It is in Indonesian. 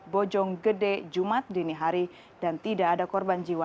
bojong gede jumat dini hari dan tidak ada korban jiwa